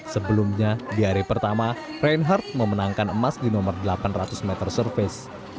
sebelumnya di hari pertama reinhardt memenangkan emas di nomor delapan ratus meter surface